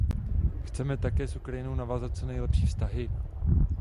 Chceme také s Ukrajinou navázat co nejlepší vztahy.